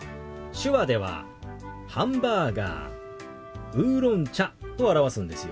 手話では「ハンバーガー」「ウーロン茶」と表すんですよ。